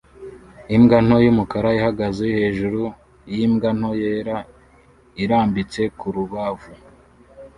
Imbwa nto y'umukara ihagaze hejuru y'imbwa nto yera irambitse ku rubavu